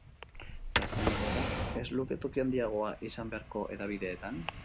Gazteen egoerak ez luke toki handiagoa izan beharko hedabideetan?